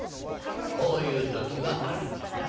こういうときはあれじゃな。